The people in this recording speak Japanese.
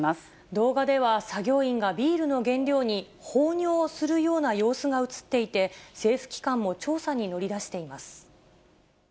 動画では作業員がビールの原料に放尿をするような様子が写っていて、政府機関も調査に乗り出しています。